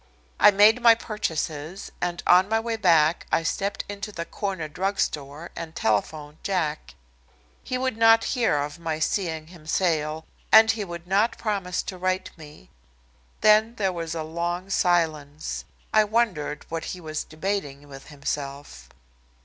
I made my purchases and on my way back I stepped into the corner drug store and telephoned Jack. He would not hear of my seeing him sail, and he would not promise to write me. Then there was a long silence. I wondered what he was debating with himself.